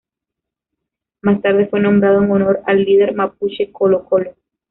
Más tarde fue nombrado en honor del líder mapuche Colo Colo.